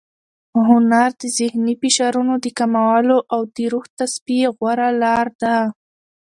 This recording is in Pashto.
هنر د ذهني فشارونو د کمولو او د روح د تصفیې غوره لار ده.